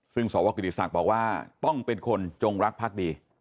ซึ่งสวกิติศักดิ์บอกว่าต้องเป็นคนจงรักพักดี